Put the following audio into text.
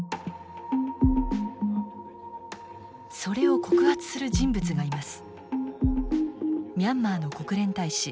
それを告発する人物がいます。